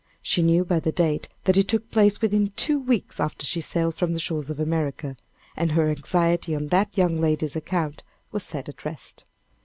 She knew by the date, that it took place within two weeks after she sailed from the shores of America. And her anxiety on that young lady's account was set at rest.